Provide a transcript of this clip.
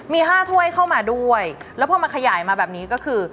มี๕ถ้วยเข้ามาด้วยแล้วพอมาขยายมาแบบนี้ก็คือ